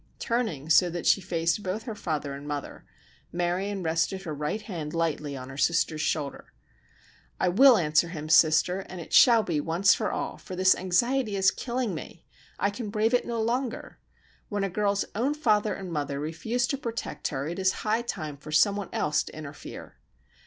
Turning so that she faced both her father and mother, Marion rested her right hand lightly on her sister's shoulder. "I will answer him, sister, and it shall be once for all, for this anxiety is killing me. I can brave it no longer. When a girl's own father and mother refuse to protect her it is high time for some one else to interfere.